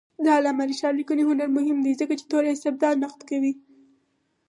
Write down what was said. د علامه رشاد لیکنی هنر مهم دی ځکه چې تور استبداد نقد کوي.